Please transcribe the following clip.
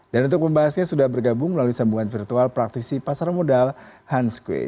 dan untuk pembahasnya sudah bergabung melalui sambungan virtual praktisi pasar modal hans kueh